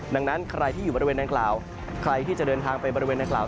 ดังนั้นใครที่อยู่บริเวณดังกล่าวใครที่จะเดินทางไปบริเวณนางกล่าว